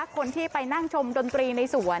คนที่ไปนั่งชมดนตรีในสวน